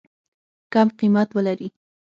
کم قیمت ولري.